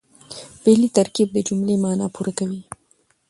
فعلي ترکیب د جملې مانا پوره کوي.